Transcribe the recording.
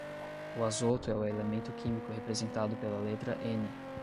O azoto é o elemento químico representado pela letra N.